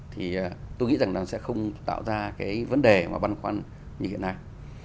thì tôi nghĩ rằng nó sẽ không tạo ra cái vấn đề mà băn khoăn như hiện nay